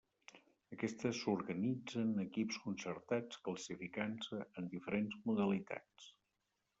Aquests s'organitzen en equips concertats classificant-se en diferents modalitats.